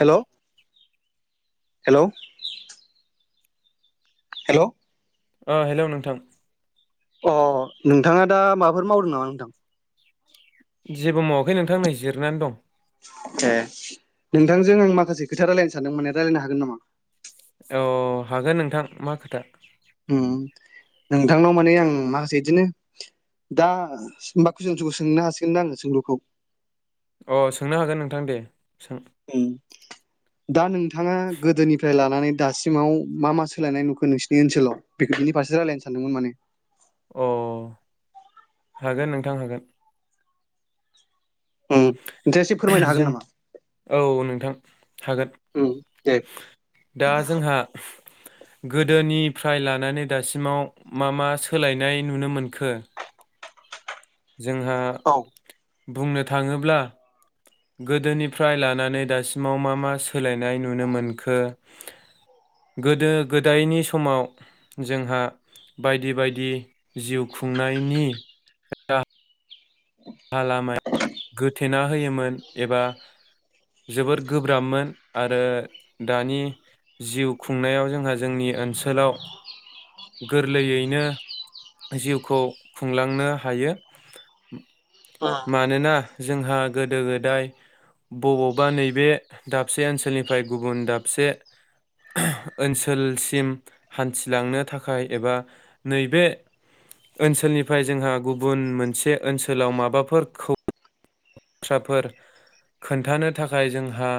हेल' हेल' [inaudible] हेल' ओ हेल' नोंथां अ नोंथाङा दा माबाफोर मावदों नामा नोंथां? जेबो मावा खै नोंथां नै जिरनानै दं। नोंथांजों आं माखासे खोथा रायलायनो सानदों माने रायलायनो हागोन नामा? औ हागोन नोंथां मा खोथा? उम नोंथांनाव माने आं माखासे इदिनो दा बा कुइसनखौ सोंनो हासिगोन दा आं सोंलुखौ? ओ सोंनो हागोन नोंथां दे। सों ओम। दा नोंथाङा गोदोनिफ्राय लानानै दासिमाव मा मा सोलायनाय नुखो नोंसिनि ओनसोलाव बेनि फारसे रायलायनो सानदोंमोन माने अ हागोन नोंथां हागोन। ओम दे एसे फोरमायनो जों हागोन नामा? औ नोंथां हागोन उम दे दा जोंहा गोदो निफ्राय लानानै दासिमाव मा मा सोलायनाय नुनो मोनखो जोंहा औ बुंनो थाङोब्ला गोदोनिफ्राय लानानै दासिमाव मा मा सोलायनाय नुनो मोनखो गोदो गोदायनि समाव जोंहा बायदि बायदि जिउ खुंनायनि ओ [inaudible] राहा लामा [unintelligible] गोथेना होयोमोन एबा जोबोद गोब्राबमोन आरो दानि जिउ खुंनायाव जोंहा जोंनि ओनसोलाव गोरलैयैनो जिउखौ खुंलांनो हायो। उम मानोना जोंहा गोदो गोदाय बबावबा नैबे दाबसे ओनसोलनिफ्राय गुबुन दाबसे [inaudible] ओनसोलसिम हान्थिलांनो थाखाय एबा नैबे ओनसोलनिफ्राय जोंहा गुबुन मोनसे ओनसोलाव माबा फोरखौ बाथ्राफोर खोन्थानो थाखाय जोंहा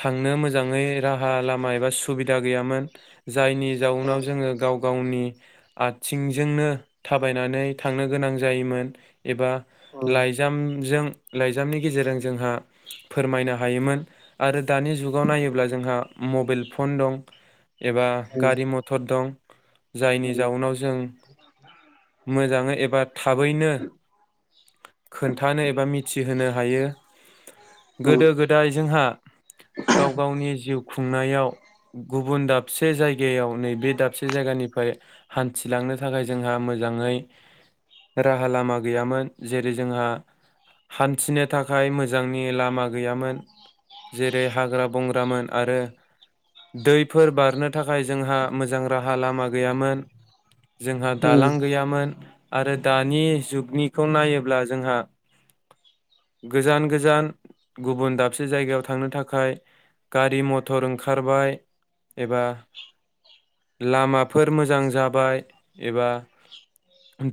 थांनो मोजाङै राहा लामा एबा सुबिदा गैयामोन जायनि जाउनाव जोङो गाव गावनि आथिं जोंनो थाबायनानै थांनो गोनां जायोमोन एबा उम लाइजामजों लाइजामनि गेजेरजों जोंहा फोरमायनो हायोमोन आरो दानि जुगाव नायोब्ला जोंहा मबाइल फन दं । एबा गारि मथर दं । जायनि जाउनाव जों मोजाङै एबा थाबैनो खोन्थानो एबा मि थि होनो हायो उम गोदो गोदाय जोंहा गाव गावनि जिउ खुंनायाव गुबुन दाबसे जायगायाव नैबे दाबसे जायगानिफ्राय हान्थिलांनो थाखाय जोंहा मोजाङै राहा लामा गैयामोन जेरै जोंहा हान्थिनो थाखाय मोजांनि लामा गैयामोन जेरै हाग्रा बंग्रामोन आरो दैफोर बारनो थाखाय जोंहा मोजां राहा लामा गैयामोन जोंहा उम दालां गैयामोन आरो दानि जुगनिखौ नायोब्ला जोंहा गोजान गोजान गुबुन दाबसे जायगायाव थांनो थाखाय गारि मथर ओंखारबाय एबा लामाफोर मोजां जाबाय एबा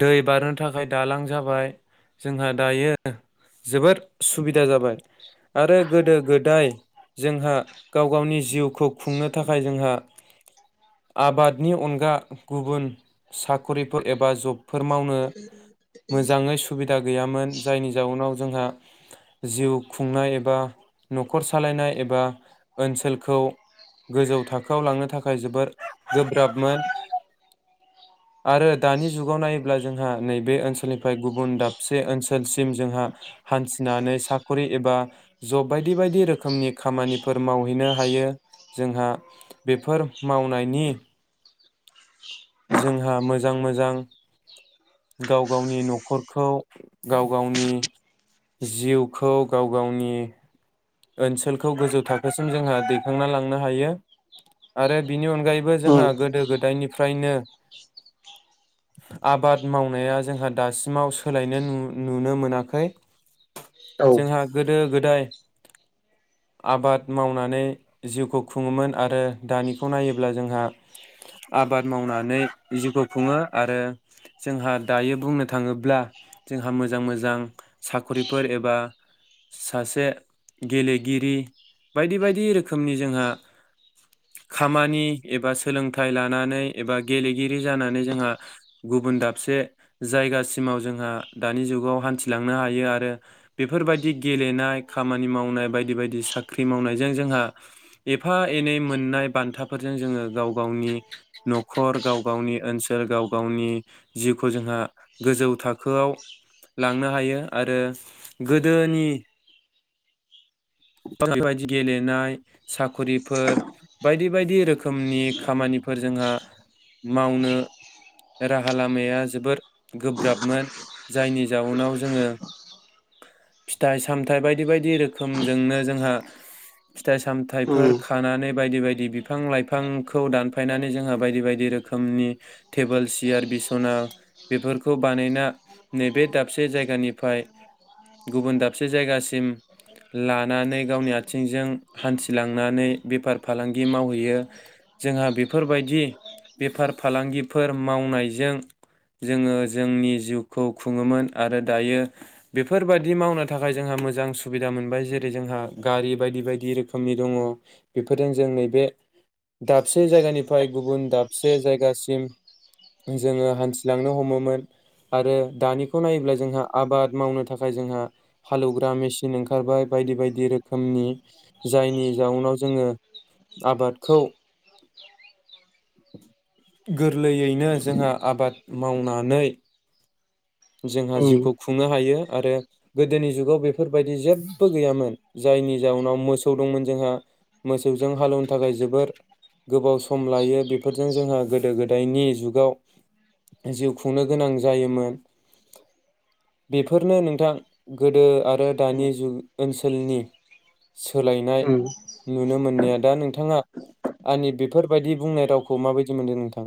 दै बारनो थाखाय दालां जाबाय जोंहा दायो। जोबोर सुबिदा जाबाय आरो गोदो गोदाय जोंहा गाव गावनि जिउखौ खुंनो थाखाय जोंहा आबादनि अनगा गुबुन साख'रिफोर एबा जबफोर मावनो मोजाङै सुबिदा गैयामोन जायनि जाउनाव जोंहा जिव खुंनाय एबा नखर सालायनाय एबा ओनसोलखौ गोजौ थाखोआव लांनो थाखाय गोब्राबमोन आरो दानि जुगाव नायोब्ला जोंहा नैबे ओनसोलनि गुबुन दाबसे ओनसोलसि सिम जोंहा हान्थिनानै साख'रि एबा जब बायदि बायदि रोखोमनि खामानिफोर मावहैनो हायो जोंहा बेफोर मावनायनि जोंहा मोजां मोजां गाव गावनि न'खरखौ गाव गावनि जिउखौ गाव गावनि ओनसोलखौ गोजौ थाखोसिम जोंहा दैखांना लांनो हायो आरो बिनि अन गायैबो जोंहा उम गोदो गो दायनिफ्रायनो आबाद मावनाया जोंहा दासिमाव सोलायनो नु-नुनो मोनाखै औ जोंहा गोदो गोदाय आबाद मावनानै जिउखौ खुङोमोन आरो दानिखौ नायोब्ला जोंहा आबाद मावनानै जिउखौ खुङो आरो जोंहा दायो बुंनो थाङोब्ला जोंहा मोजां मोजां साख'रिफोर एबा सासे गेलेगिरि बायदि बायदि रोखोमनि जोंहा खामानि एबा सोलोंथाइ लानानै एबा गेलेगिरि जानानै जोंहा गुबुन दाबसे जायगासिमाव जोंहा दानि जुगाव हान्थिलांनो हायो आरो बेफोरबायदि गेलेनाय खामा नि मावनाय बायदि बायदि साख्रि मावनायजों जोंहा एफा एनै मोननाय बान्थाफोरजों जोङो गाव गावनि न'खर गाव गावनि ओनसोल गाव गावनि जिउखौ जोंहा गोजौ थाखोआव लांनो हायो आरो गोदोनि बायदि गेलेनाय साख'रिफोर बायदि बायदि रोखोमनि खामानिफोर जोंहा मावनो राहा लामाया जोबोर गोब्राबमोन जायनि जाउनाव जोङो फिथाइ सामथाइ बाय दि बायदि रोखोमजोंनो जोंहा फि थाइ उम सामथाइफोर खानानै बायदि बायदि बिफां लाइफांखौ दानफायनानै जोंहा बायदि बायदि रोखोमनि टेबोल सियार बिसना बेफोरखौ बानायना नैबे दाबसे जायगानिफ्राय गुबुन दाबसे जायगासिम लानानै गावनि आथिंजों हान्थिलांनानै बेफार फालांगि मावहैयो जोंहा बेफोरबायदि बेफार फालांगिफोर मावनायजों जोङो जोंनि जिउखौ खुङोमोन आरो दायो बेफोरबादि मावनो थाखाय जोंहा मोजां सुबिदा मोनबाय जेरै जोंहा गारि बायदि बायदि रोखोमनि दङ बेफोरजों जों नैबे दाबसे जायगानिफ्राय गुबुन दाबसे जायगासिम जोङो हान्थिलांनो हमोमोन आरो दानिखौ नायोब्ला जोंहा आबाद मावनो थाखाय जोंहा हालेवग्रा मे सिन ओंखारबाय बायदि बाय दि रोखोमनि जायनि जाउनाव जोङो आबादखौ गोरलैयैनो जोंहा आबाद मावनानै जोंहा उम जिउखौ खुंनो हायो । आरो गोदोनि जुगाव बेफोरबायदि जेब्बो गैयामोन जायनि जाउनाव मोसौ दंमोन जोंहा मोसौजों हालौवनो थाखाय जोबोर गोबाव सम लायो बेफोरजों जोंहा गोदो गोदायनि जुगाव जिउ खुंनो गोनां जायोमोन बेफोरनो नोंथां गोदो आरो उम दानि जु ओनसोलनि सोलायनाय ओम नुनो मोननाया दा नोंथाङा आंनि बेफोरबायदि बुंनाय रावखौ माबायदि मोनदों नोंथां?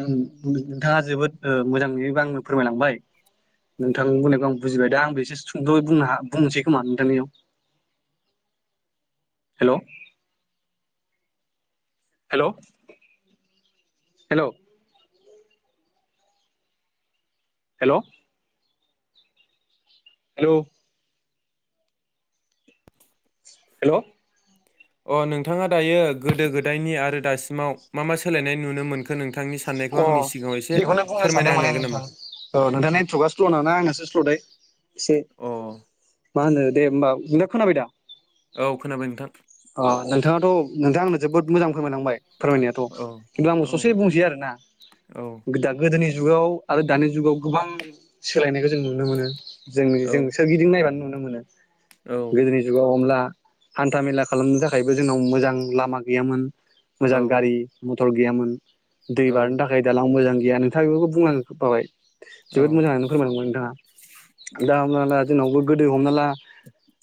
नोंथाङा जोबोद ओ-मोजाङै आंनो फोरमायलांबाय नोंथां बुंनायखौ आं बुजिबाय दा आंबो एसे सुंद'यै बुंनो हा बुंनोसै खोमा नोंथांनियाव। हेल'? हेल'? हेल'? हेल'? हेलौ हेल' अ नोंथाङा दायो गोदो गोदायनि आरो दासिमाव मा मा सोलायनाय नुनो मोनखो नों अ बेखौनो बुंनो फोरमायना होनो सानदोंमोने हागोन नामा? नोंथाङा नोंथां ओ- नेट्रकआ स्ल'नाना आंनासो स्ल'थाय एसे। अ मा होनो दे होमबा नोंथा खोनाबाय दा? औ खोनाबाय नोंथां। औ नोंथां आनो जोबोद मोजां। फोरमायनांबाय फोरमायनायाथ' औ खिन्थु आंबो औ ससे बुंसै आरो ना। औ [unintelligible] गोदोनि जुगाव आरो दानि जुगाव गोबां सोलायनायखौ जों नुनो मोनो। जों औ जों सोरगिदिं नायबानो नुनो। मोनो औ गोदोनि जुगाव अनला हान्था मेला खालामनो थाखायबो जोंनाव मोजां लामा गैयामोन औ मोजां गारि मथर गैयामोन दै औ बारनो थाखाय दालां मोजां गैया नोंथाङा बेफोरखौ बुंलां जोबखाबाय जोबोद मोजां आनो फोरमायलांबाय नोंथाङा दा हमना ला जोंनावबो गोदो हमना ला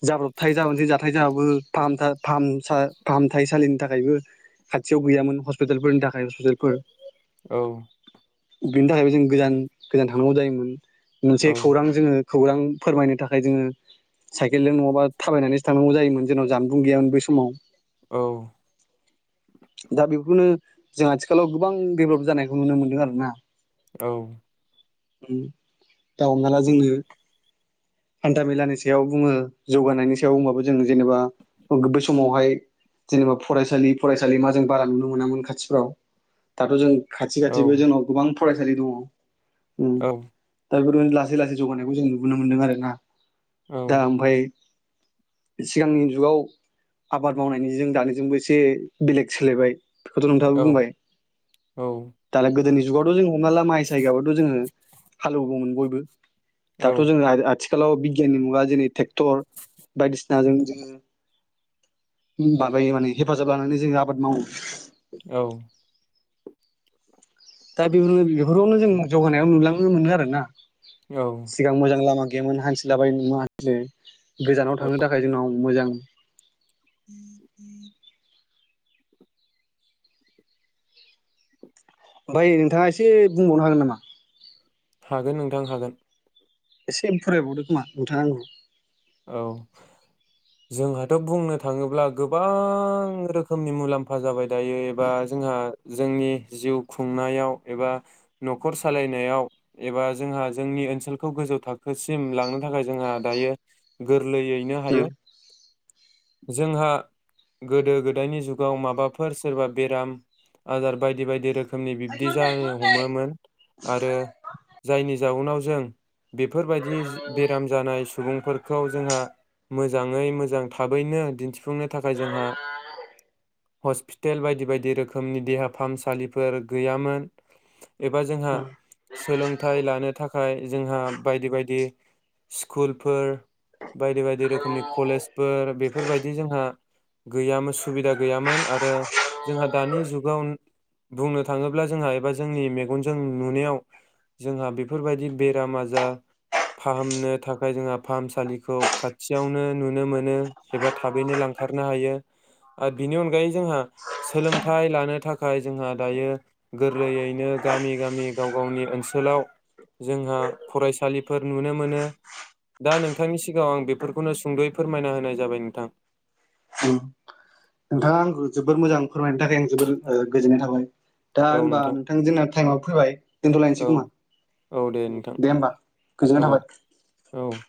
जाब्रबथाय जाबोसै जाथाय जाबाबो फाहाम फाहाम सा फाहामथाय सलिनि थाखायबो खाथियाव गैयामोन हस्पिटालफोरनि थाखाय हस्पिटालफोर औ बिनि थाखायबो जों गोजान गोजान थांनांगौ जायोमोन औ मोनसे खौरां जोङो खौरां फोरमायनो थाखाय जोङो साइकेलजों नङाबा थाबायनानैसो थांनांगौ जायोमोन जोंनाव जानबुं गैयामोन बै समाव औ दा बेखौनो जों आथिखालाव गोबां देभलप जानायखौ नुनो मोन्दों आरो ना औ उम दा हमना ला जोङो हान्था मेलानि सायाव बुङो जौगानायनि सायाव बुंबाबो जों जेनेबा बे समावहाय जेनेबा फरायसालि फरायसालि मा जों बारा नुनो मोनामोन खाथिफ्राव दाथ' जों खाथि खाथि बो जोंनाव गोबां फरायसालि दङ उम दा बेफोरबायदिनो लासै लासै जौगानायखौ जों नुबोननो मोन्दों आरो ना दा ओमफाय सिगांनि जुगाव आबाद मावनायनि जों दानिजोंबो एसे बेलेग सोलायबाय बेखौथ' नोंथाङाबो बुंबाय औ गोदनि जुगावथ जों हमना ला माइ साय गायब्लाथ' जोङो हालएवगौमोन बयबो औ दाथ' जोङो आ आथिखालाव बिगियाननि मुगा जेरै ट्रेक्टर बायदिसिनाजों जोङो माबायो माने हेफाजाब लानानै जों आबाद मावो औ दा बेफोरावनो जों जौगानायाव नुलांनो मोनो आरो ना औ सिगां मोजां लामा [unintelligible] गोजानाव थांनो थाखाय जोंनाव मोजां। [unintelligible] ओमफाय नोंथाङा एसे बुंबावनो हागोन नामा। हागोन नोंथां हागोन। एसे फोरमायबावदो खोमा नोंथां। औ जोंहाथ बुंनो थाङोब्ला गोबां रोखोमनि मुलाम्फा जाबाय दायो एबा जोंहा जोंनि जिउ खुंनायाव एबा नखर सालायनायाव एबा जोंहा जोंनि ओनसोलखौ गोजौ थाखोसिम लांनो थाखाय जोंहा दायो। गोर। लैयैनो हायो। जोंहा गोदो गोदायनि जुगाव माबाफोर सोरबा बेराम आजार बायदि बायदि रोख। रोखोमनि बिब्दि जानो हमोमोन आरो जायनि जाउनाव जों। बेफोरबायदि बेराम जानाय सुबुंफोर। खौ जोंहा मोजाङै मोजां थाबैनो दिन्थि। फुंनो थाखाय जोंहा। हस्पिटेल बायदि बायदि रोखोमनि देहा फाहामसालिफोर गैयामोन। एबा जोंहा सोलोंथाइ लानो थाखा। खाय जोंहा बायदि बायदि स्कुलफोर। बायदि बायदि रोखोमनि कलेजफोर बेफोरबायदि जोंहा। गैयामोन सु। सुबिदा गैयामोन आरो जोंहा दानि जुगाव। बुंनो थाङोब्ला जोंहा एबा जोंनि मेगनजों नुनायाव जोंहा बेफोरबायदि बेराम आजा फाहामनो थाखाय जोंहा फाहामसा। फाहामसालिखौ खाथियावनो नुनो मोनो एबा थाबैनो लांखारनो हायो आरो बिनि अनगायै जोंहा सोलोंथाइ लानो थाखाय जोंहा दायो गोरलैयैनो गामि गामि गाव गावनि ओनसोलाव जोंहा फरायसालिफोर नुनो मोनो दा नों। नोंथांनि सिगाङाव आं बेफोरखौनो सुंदयै फोरमायना होनाय जाबाय नोंथां। नोंथाङा आंखौ जोबोर मोजां फोरमायनो थाखाय आं जोबोर गोजोननाय थाबाय। दा होमबा नोंथां जोंना टाइमाव फैबाय दोनथलायनोसै औ खोमा औ दे नोंथां दे होमबा गोजोननाय औ औ थाबाय